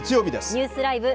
ニュースＬＩＶＥ！